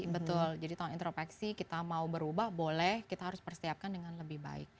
betul jadi tahun intropeksi kita mau berubah boleh kita harus persiapkan dengan lebih baik